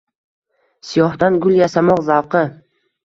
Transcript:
Siyohdan gul yasamoq zavqi.